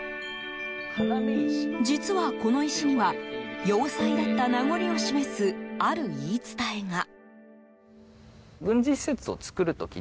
実は、この石には要塞だった名残を示すある言い伝えが。